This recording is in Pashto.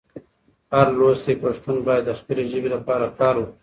هر لوستی پښتون باید د خپلې ژبې لپاره کار وکړي.